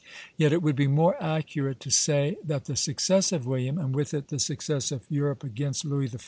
Yet it would be more accurate to say that the success of William, and with it the success of Europe against Louis XIV.